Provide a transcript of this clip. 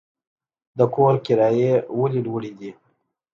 د کور کرایې ولې لوړې دي؟